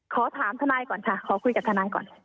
ขอถามทนายก่อนค่ะขอคุยกับทนายก่อน